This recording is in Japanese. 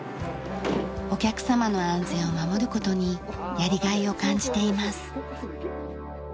お客様の安全を守る事にやりがいを感じています。